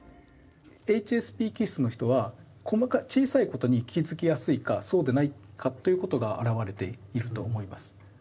ＨＳＰ気質の人は小さいことに気付きやすいかそうでないかということが表れていると思います。